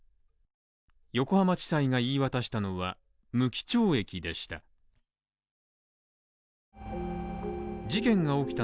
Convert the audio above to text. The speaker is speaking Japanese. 横浜地裁が言い渡したのは、無期懲役でした。